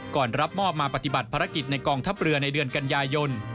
รับมอบมาปฏิบัติภารกิจในกองทัพเรือในเดือนกันยายน